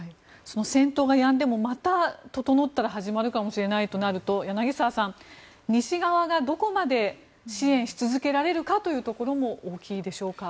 戦闘がやんでもまた整ったら始まるかもしれないとなると柳澤さん、西側がどこまで支援し続けられるかというのも大きいでしょうか。